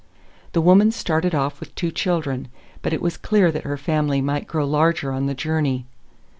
The woman started off with two children, but it was clear that her family might grow larger on the journey.